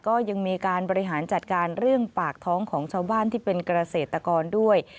ก็ยังมีการบริหารจัดการเรื่องปากท้องของชาวบ้านที่เป็นเกษตรกรด้วย